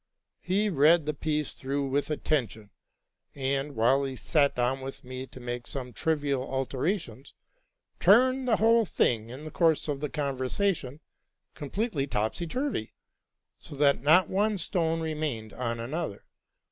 He read thie piece through with attention, and, while he sat down with me to make some trivial alterations, turned the whole thing, in the course of the conversation, completely topsy turvy, so that not one stone remained on another.